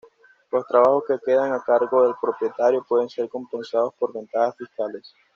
Los trabajos que quedan a cargo del propietario pueden ser compensados por ventajas fiscales.